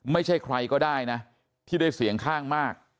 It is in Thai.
ไม่ใช่ใครก็ได้นะที่ได้เสียงข้างมาก